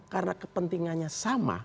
karena kepentingannya sama